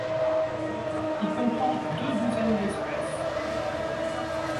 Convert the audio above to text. Il comprend deux douzaines d'espèces.